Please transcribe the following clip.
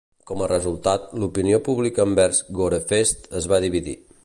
Com a resultat, l'opinió pública envers Gorefest es va dividir.